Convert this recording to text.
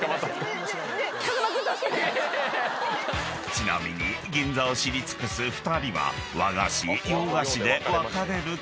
［ちなみに銀座を知り尽くす２人は和菓子洋菓子で分かれることに］